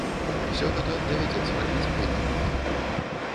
Усё гэта давядзецца рабіць вельмі хутка.